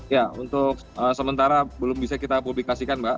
ya untuk sementara belum bisa kita publikasikan mbak